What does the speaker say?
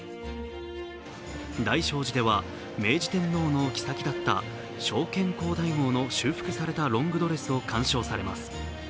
大聖寺では明治天皇の后だった昭憲皇太后の修復されたロングドレスを鑑賞されます。